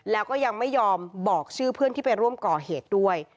แล้วก็ยังไม่ยอมบอกชื่อเพื่อนที่ไปร่วมก่อเหตุด้วย